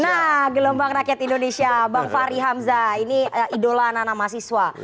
nah gelombang rakyat indonesia bang fahri hamzah ini idola anak anak mahasiswa